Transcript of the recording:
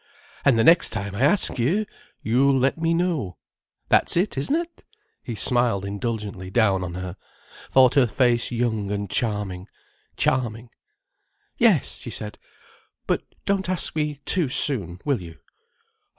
And the next time I ask you, you'll let me know. That's it, isn't it?" He smiled indulgently down on her: thought her face young and charming, charming. "Yes," she said. "But don't ask me too soon, will you?"